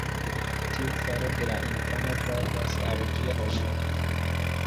Tiu faro de la infano gravas al ĝia evoluo.